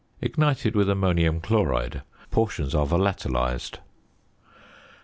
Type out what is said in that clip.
Ignited with ammonium chloride portions are volatilised.